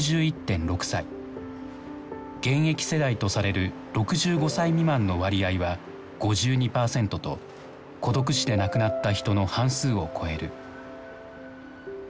現役世代とされる６５歳未満の割合は５２％と孤独死で亡くなった人の半数を超える。